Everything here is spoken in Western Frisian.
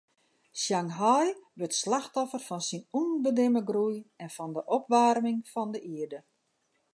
Shanghai wurdt slachtoffer fan syn ûnbedimme groei en fan de opwaarming fan de ierde.